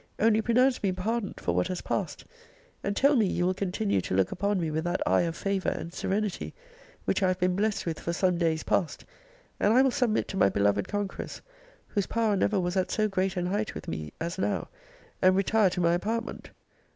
only pronounce me pardoned for what has passed, and tell me you will continue to look upon me with that eye of favour and serenity which I have been blessed with for some days past, and I will submit to my beloved conqueress, whose power never was at so great an height with me, as now, and retire to my apartment.